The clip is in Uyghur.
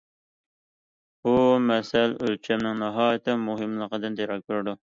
بۇ مەسەل ئۆلچەمنىڭ ناھايىتى مۇھىملىقىدىن دېرەك بېرىدۇ.